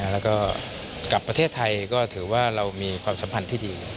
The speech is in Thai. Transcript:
แล้วก็กลับประเทศไทยก็ถือว่าเรามีความสัมพันธ์ที่ดี